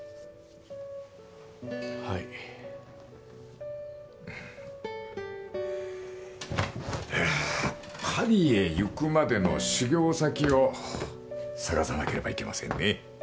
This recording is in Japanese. はいパリへ行くまでの修業先を探さなければいけませんね